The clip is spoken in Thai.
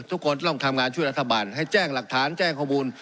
ทุกคนต้องทำงานช่วยรัฐบาลให้แจ้งหลักฐานแจ้งข้อมูล